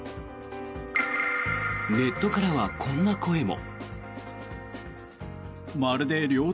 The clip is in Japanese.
ネットからはこんな声も。